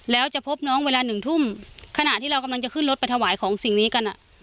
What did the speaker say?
แล้วจะพบน้องเวลาหนึ่งทุ่มขณะที่เรากำลังจะขึ้นรถไปถวายของสิ่งนี้กันอ่ะ